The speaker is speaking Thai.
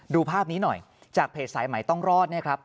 ดูภาพนี้หน่อยจากเพจไซด์ใหม่ต้องรอด